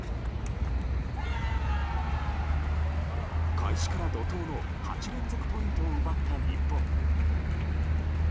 開始から怒涛の８連続ポイントを奪った日本。